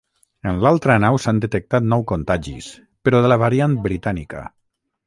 En l’altra nau s’han detectat nou contagis, però de la variant britànica.